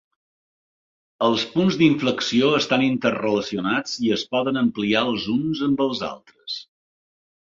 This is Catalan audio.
Els punts d'inflexió estan interrelacionats i es poden ampliar els uns amb els altres.